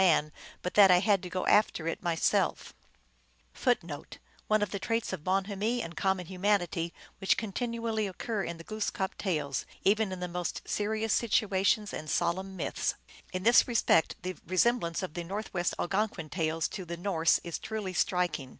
Then they went forward to seek for people, and found 1 One of the traits of bonhomie and common humanity which continually occur in the Glooskap tales, even in the most serious situations and solemn myths. In this respect the resemblance of the Northwest Algonquin tales to the Norse is truly strik ing.